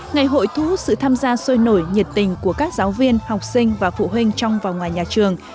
ngày hội thu hút sự tham gia sôi nổi nhiệt tình của các giáo viên học sinh và phụ huynh trong và ngoài nhà trường